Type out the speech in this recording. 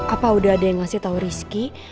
apa udah ada yang ngasih tau risky